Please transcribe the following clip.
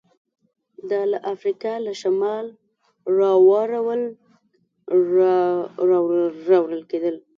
دا له افریقا له شماله راوړل کېدل